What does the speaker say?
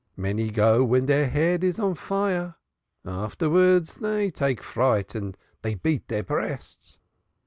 Many go when deir head is on fire afterwards, dey take fright and beat deir breasts.